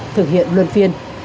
thực hiện luân phiên